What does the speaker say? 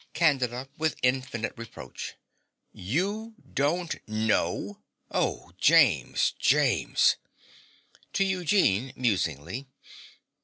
CANDIDA (with infinite reproach). You don't know! Oh, James, James! (To Eugene, musingly.)